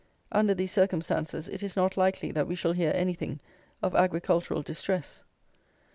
Under these circumstances, it is not likely that we shall hear anything of agricultural distress.